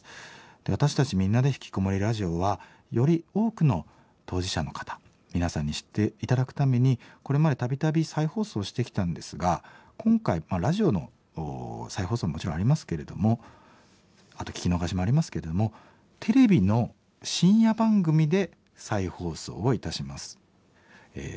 で私たち「みんなでひきこもりラジオ」はより多くの当事者の方皆さんに知って頂くためにこれまで度々再放送してきたんですが今回ラジオの再放送ももちろんありますけれどもあと聴き逃しもありますけれどもテレビの深夜番組で再放送をいたします。